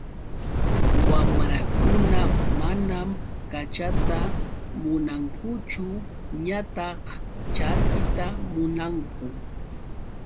Wamrakuna manam kachata munankuchu ñataq charkita munanku.